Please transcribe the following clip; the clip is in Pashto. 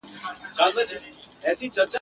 د وخت ملامتي ده چي جانان په باور نه دی !.